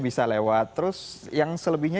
bisa lewat terus yang selebihnya